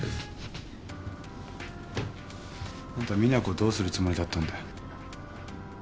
あんた実那子をどうするつもりだったんだよ？